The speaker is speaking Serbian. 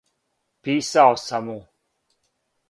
Писао сам му.